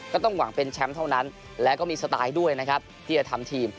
ก็ต้องหวังเป็นแชมป์เท่านั้นแล้วก็มีสไตล์ด้วยนะครับที่จะทำทีม